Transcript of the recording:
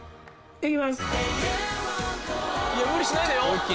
いや無理しないでよ。